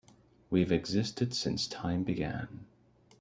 We've existed since time began.